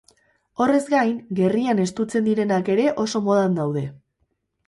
Horrez gain, gerrian estutzen direnak ere oso modan daude.